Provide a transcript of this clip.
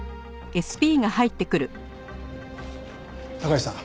高石さん